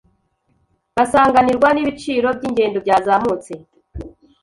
basanganirwa n'ibiciro by’ingendo byazamutse